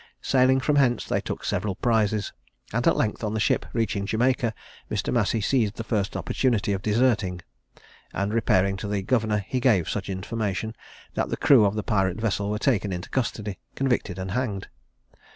Sailing from hence, they took several prizes; and at length on the ship reaching Jamaica, Mr. Massey seized the first opportunity of deserting; and repairing to the governor, he gave such information, that the crew of the pirate vessel were taken into custody, convicted, and hanged.